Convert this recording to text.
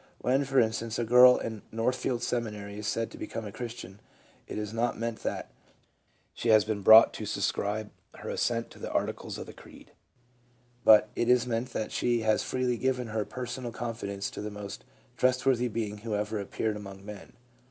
"When, for instance, a girl in Northfield Seminary isjsaid to become a Christian, it is not meant that she has been brought to subscribe her assent to the articles of the creed, however true the creed may be. But it is meant that she has freely given her personal confidence to the most trustworthy Being who ever appeared among men.